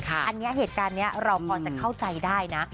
อันนี้เหตุการณ์นี้เราพอจะเข้าใจได้นะ